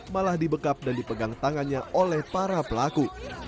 malah dibekap dan dipegang tangannya oleh para pelaku